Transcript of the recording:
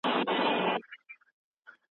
پښتون د افغانستان په تاریخ کي تل پاته دی.